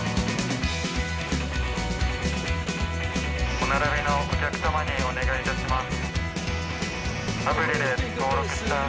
お並びのお客様にお願いいたします。